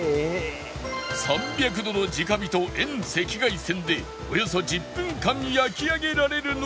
３００度の直火と遠赤外線でおよそ１０分間焼き上げられるのだが